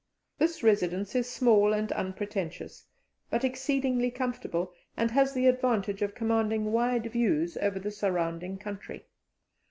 This residence is small and unpretentious, but exceedingly comfortable, and has the advantage of commanding wide views over the surrounding country.